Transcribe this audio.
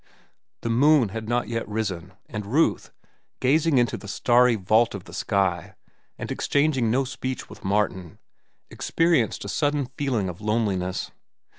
The moon had not yet risen, and Ruth, gazing into the starry vault of the sky and exchanging no speech with Martin, experienced a sudden feeling of loneliness.